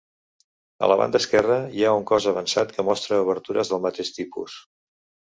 A la banda esquerra hi ha un cos avançat que mostra obertures del mateix tipus.